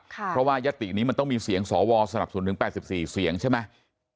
เพราะว่ายัตตินี้มันต้องมีเสียงสวสนับสนุนถึง๘๔เสียงใช่ไหม